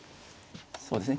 そうですね